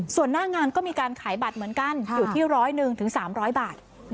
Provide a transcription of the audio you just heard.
ส่วนหน้างานก็มีการขายบัตรเหมือนกันอยู่ที่๑๐๑๓๐๐บาท